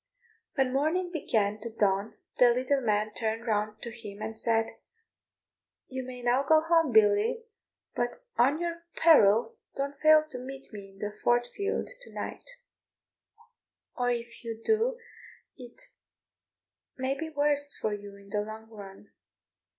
When morning began to dawn the little man turned round to him and said, "You may now go home, Billy, but on your peril don't fail to meet me in the Fort field to night; or if you do it may be the worse for you in the long run.